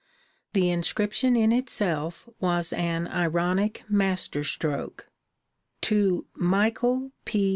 The inscription in itself was an ironic masterstroke: To MICHAEL P.